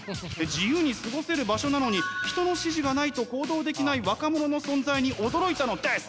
自由に過ごせる場所なのに人の指示がないと行動できない若者の存在に驚いたのです。